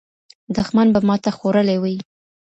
دښمن به ماته خوړلې وي.